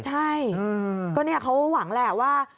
ใช่ก็นี่เขาหวังเลยว่า